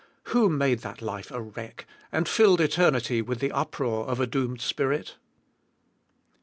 Who made that life a wreck, and filled eternity with the uproar of a doomed spirit?